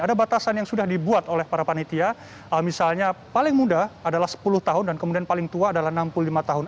ada batasan yang sudah dibuat oleh para panitia misalnya paling muda adalah sepuluh tahun dan kemudian paling tua adalah enam puluh lima tahun